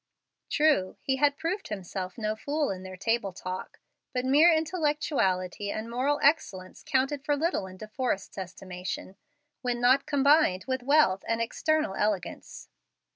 True, he had proved himself no fool in their table talk, but mere intellectuality and moral excellence counted for little in De Forrest's estimation when not combined with wealth and external elegance.